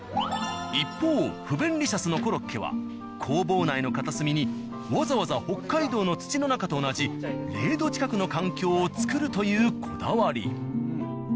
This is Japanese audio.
一方不便利シャスのコロッケは工房内の片隅にわざわざ北海道の土の中と同じ０℃近くの環境を作るというこだわり。